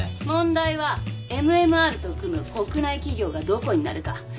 問題はＭＭＲと組む国内企業がどこになるか。